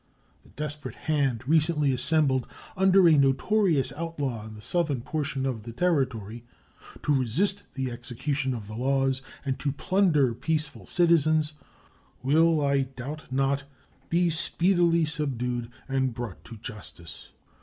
The desperate hand recently assembled under a notorious outlaw in the southern portion of the Territory to resist the execution of the laws and to plunder peaceful citizens will, I doubt not be speedily subdued and brought to justice.